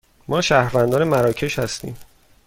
ما شهروندان مراکش هستیم.